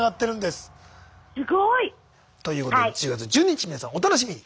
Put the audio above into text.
すごい！ということで１０月１２日皆さんお楽しみに。